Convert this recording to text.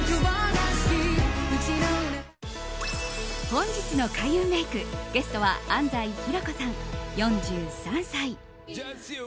本日の開運メイク、ゲストは安西ひろこさん、４３歳。